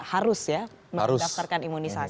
harus ya mendaftarkan imunisasi